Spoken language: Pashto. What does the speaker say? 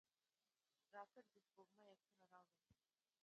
راکټ د سپوږمۍ عکسونه راوړل